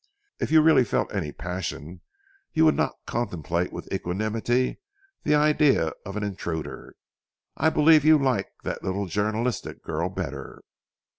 "If you really felt any passion you would not contemplate with equanimity the idea of an intruder. I believe you like that little journalistic girl better."